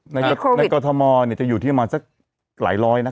ในกรทมจะอยู่ที่ประมาณสักหลายร้อยนะ